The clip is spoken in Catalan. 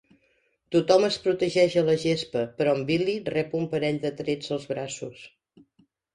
Tothom es protegeix a la gespa, però en Billy rep un parell de trets als braços.